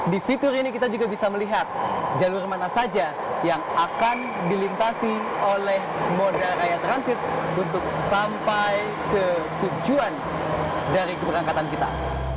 di fitur ini kita juga bisa melihat jalur mana saja yang akan dilintasi oleh moda raya transit untuk sampai ke tujuan dari keberangkatan kita